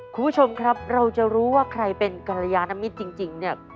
คุณผู้ชมครับเราจะรู้ว่าใครเป็นกรยานมิตรจริงเนี่ย